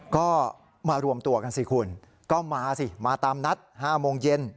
ก็มารวมตัวกันสิคุณก็มาสิมาตามนัด๕โมงเย็น